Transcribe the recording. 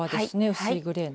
薄いグレーの。